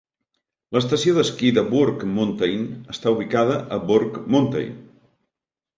L'estació d'esquí de Burke Mountain està ubicada a Burke Mountain.